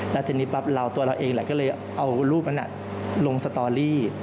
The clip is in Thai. และทีนี้ตัวเราเองก็เลยเอารูปนั้นลงสตอรี่